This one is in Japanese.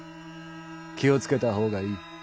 気をつけた方がいい。